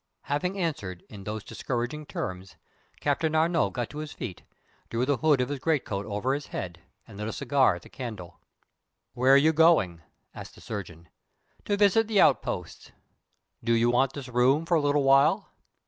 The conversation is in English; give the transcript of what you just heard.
Having answered in those discouraging terms, Captain Arnault got on his feet, drew the hood of his great coat over his head, and lit a cigar at the candle. "Where are you going?" asked the surgeon. "To visit the outposts." "Do you want this room for a little while?"